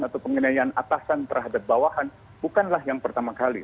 atau pengenayaan atasan terhadap bawahan bukanlah yang pertama kali